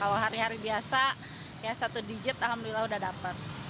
kalau hari hari biasa ya satu digit alhamdulillah udah dapet